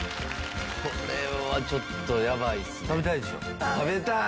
これはちょっとやばいですね。